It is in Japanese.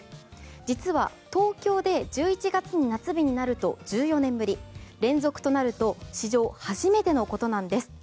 実は東京で１１月に夏日になると１４年ぶり連続となると史上初めてのことなんです。